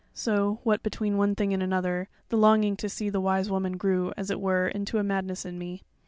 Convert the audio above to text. So, what between one thing and another, the longing to see the Wise Woman grew as it were into a madness in me.